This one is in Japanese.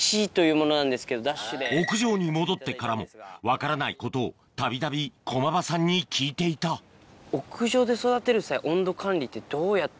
屋上に戻ってからも分からないことをたびたび駒場さんに聞いていたはい。